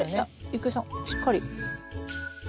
郁恵さんしっかり。